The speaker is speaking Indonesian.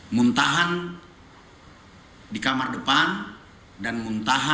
muntahan di kamar depan dan muntahan